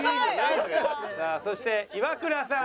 さあそしてイワクラさん。